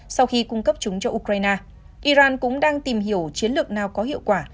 sau khi cung cấp chúng cho ukraine iran cũng đang tìm hiểu chiến lược nào có hiệu quả